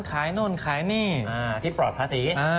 ขายโน่นขายนี่ที่ปลอดภาษี